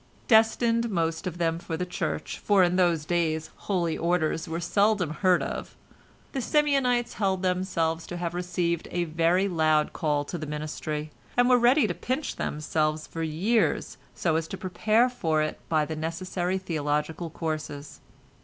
Destined most of them for the Church (for in those days "holy orders" were seldom heard of), the Simeonites held themselves to have received a very loud call to the ministry, and were ready to pinch themselves for years so as to prepare for it by the necessary theological courses.